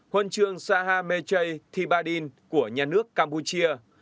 huân trường saha mechay thibadin của nhà nước campuchia